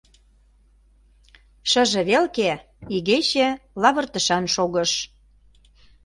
Шыже велке игече лавыртышан шогыш.